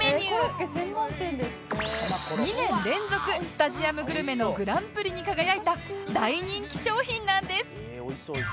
２年連続スタジアムグルメのグランプリに輝いた大人気商品なんです